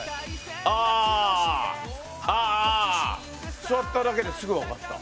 ああ座っただけですぐ分かった。